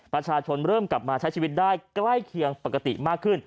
ประชาชนเริ่มกลับมาใช้ชีวิตได้ใกล้เคียงปกติมากขึ้น